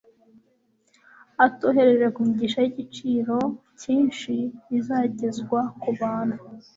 Atohereje ku migisha y'igiciro cyinshi izagezwa ku bantu,